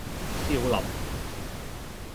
少林